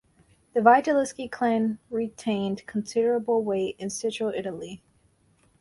The Vitelleschi clan retained considerable weight in Central Italy.